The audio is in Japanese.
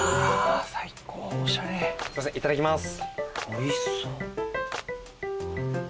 すいませんいただきます。